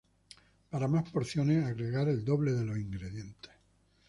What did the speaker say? Para más porciones, agregar el doble de los ingredientes.